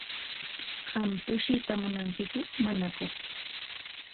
¿Qam tushuyta munankiku manaku?